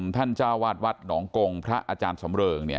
เจ้าวาดวัดหนองกงพระอาจารย์สำเริงเนี่ย